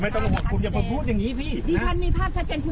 ไม่ทำลายหรือจุดที่จะจะันอย่างไป